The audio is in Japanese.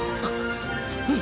うん！